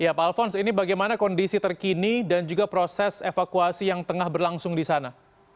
ya pak alphonse ini bagaimana kondisi terkini dan juga proses evakuasi yang tengah berlangsung di sana